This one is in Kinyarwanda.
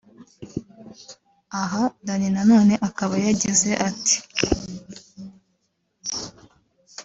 Aha Dany nanone akaba yagize ati